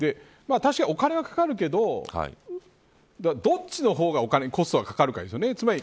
確かにお金はかかるけどどっちの方が控訴がかかるかですよね。